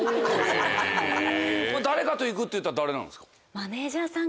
誰かと行くっていったら誰なんですか？